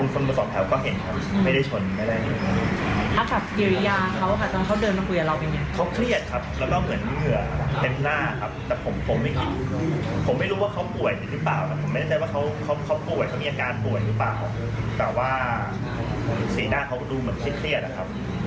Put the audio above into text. สีหน้าเขาก็ดูเหมือนเครียดครับ